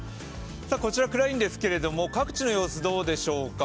こちら、暗いんですが各地の様子、どうでしょうか。